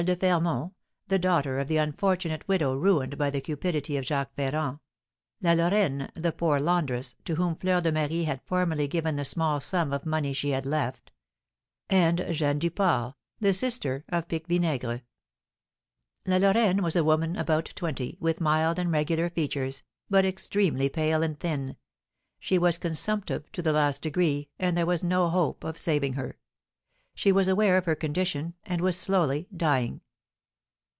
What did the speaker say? de Fermont, the daughter of the unfortunate widow ruined by the cupidity of Jacques Ferrand; La Lorraine, the poor laundress, to whom Fleur de Marie had formerly given the small sum of money she had left; and Jeanne Duport, the sister of Pique Vinaigre. La Lorraine was a woman about twenty, with mild and regular features, but extremely pale and thin; she was consumptive to the last degree, and there was no hope of saving her. She was aware of her condition, and was slowly dying.